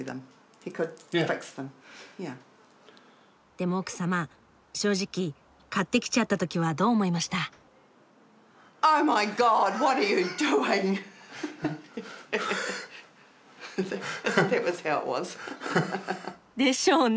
でも奥様正直買ってきちゃったときはどう思いました？でしょうね。